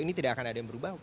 ini tidak akan ada yang berubah